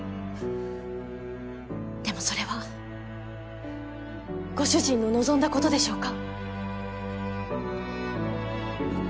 でもそれはご主人の望んだ事でしょうか。